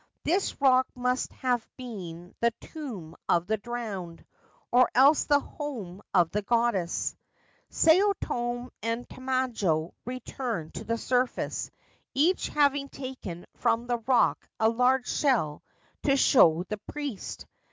This rock must have been the tomb of the drowned, or else the home of the goddess. Sao tome and Tamajo returned to the surface, each having taken from the rock a large shell to show the priest.